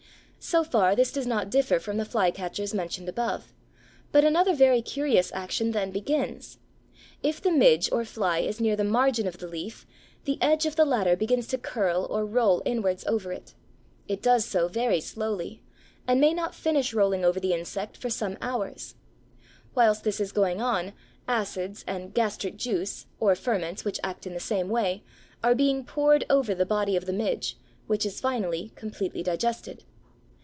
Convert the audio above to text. So far this does not differ from the Fly Catchers mentioned above, but another very curious action then begins. If the midge or fly is near the margin of the leaf, the edge of the latter begins to curl or roll inwards over it. It does so very slowly, and may not finish rolling over the insect for some hours. Whilst this is going on acids and "gastric juice," or ferments which act in the same way, are being poured over the body of the midge, which is finally completely digested.